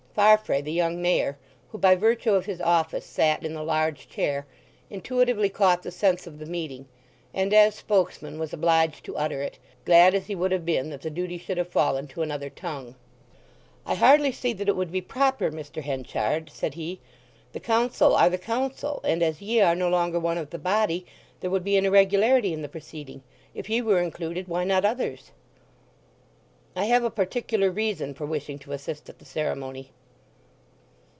Farfrae the young Mayor, who by virtue of his office sat in the large chair, intuitively caught the sense of the meeting, and as spokesman was obliged to utter it, glad as he would have been that the duty should have fallen to another tongue. "I hardly see that it would be proper, Mr. Henchard," said he. "The Council are the Council, and as ye are no longer one of the body, there would be an irregularity in the proceeding. If ye were included, why not others?" "I have a particular reason for wishing to assist at the ceremony."